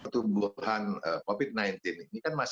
tuhan strict atau